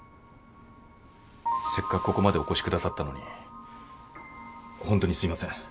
せっかくここまでお越しくださったのにホントにすいません。